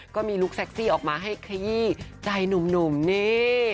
ก็มีลูกเซ็กซี่ออกมาให้ครีย่ใจหนุ่มเนี่ย